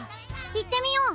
いってみよう！